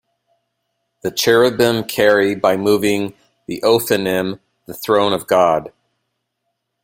The cherubim carry, by moving the Ophanim, the throne of God.